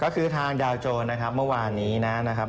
ก็คือทางดาวโจรนะครับเมื่อวานนี้นะครับ